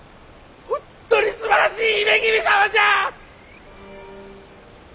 本当にすばらしい姫君様じゃ！